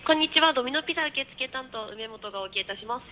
ドミノピザ受け付け担当ウメモトがお受けいたします。